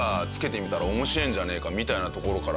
みたいなところから。